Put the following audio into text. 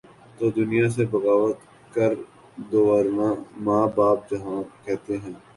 تو دنیا سے بغاوت کر دوورنہ ماں باپ جہاں کہتے ہیں۔